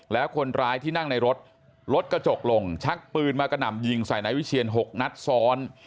แล้วคนร้ายที่นั่งในรถรถกระจกลงชักปืนมากระหน่ำยิงใส่นายวิเชียน๖นัดซ้อน